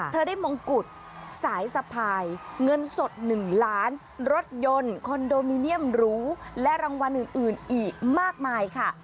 เธอได้มงกุฎสายสะพายเงินสด๑ล้านรถยนต์คอนโดมิเนียมหรูและรางวัลอื่นอีกมากมายค่ะ